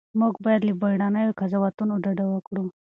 موږ باید له بیړنیو قضاوتونو ډډه وکړو.